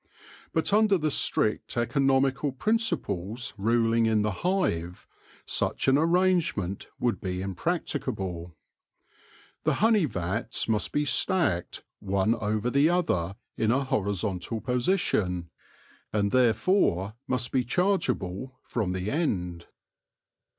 But under the strict economical principles ruling in the hive such an arrangement would be impracticable. The honey vats must be stacked one over the other in a horizontal position, and therefore must be charge able from the end.